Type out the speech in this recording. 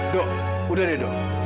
dio udah deh dio